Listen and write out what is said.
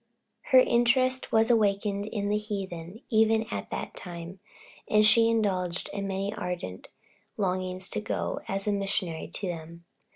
Her interest was awakened in the heathen, even at that time, and she indulged in many ardent longings to go as a missionary to them.